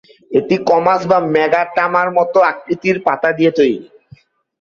এটি কমাস বা ম্যাগাটামার মতো আকৃতির পাতা দিয়ে তৈরি।